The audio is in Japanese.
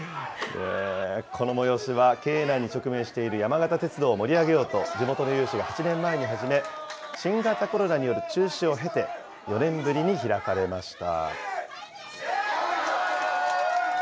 この催しは、経営難に直面している山形鉄道を盛り上げようと、地元の有志が８年前に始め、新型コロナによる中止を経て、４年ぶりに開かれました。